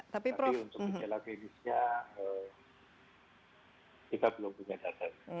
tapi untuk gejala klinisnya kita belum punya data